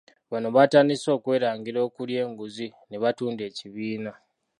Bano batandise okwerangira okulya enguzi ne batunda ekibiina .